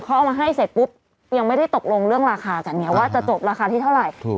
เขาเอามาให้เสร็จปุ๊บยังไม่ได้ตกลงเรื่องราคาจันนี้ว่าจะจบราคาที่เท่าไหร่